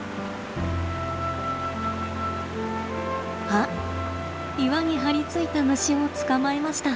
あっ岩に張り付いた虫を捕まえました。